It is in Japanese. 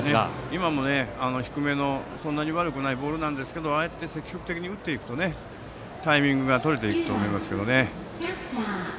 今も低めの、そんなに悪くないボールなんですがああやって積極的に打っていくとタイミングがとれていくと思います。